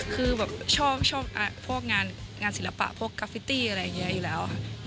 คือชอบงานศิลปะกราฟิตตี้อะไรอยู่แล้ว